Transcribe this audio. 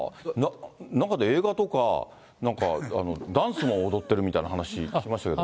中で映画とか、なんかダンスも踊ってるみたいな話、聞きましたけど。